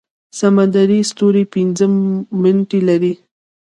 سمندري ستوری پنځه مټې لري